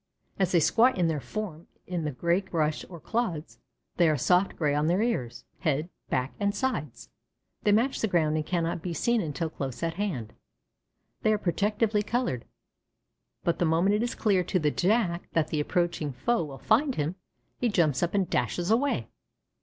As they squat in their form in the gray brush or clods, they are soft gray on their ears, head, back, and sides; they match the ground and cannot be seen until close at hand they are protectively colored. But the moment it is clear to the Jack that the approaching foe will find him, he jumps up and dashes away.